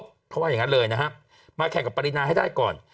เพราะว่าอย่างนั้นเลยนะครับมาแข่งกับปรินาให้ได้ก่อน